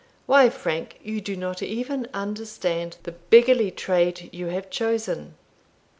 Why, Frank, you do not even understand the beggarly trade you have chosen.